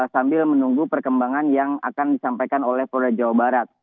sambil menunggu perkembangan yang akan disampaikan oleh polda jawa barat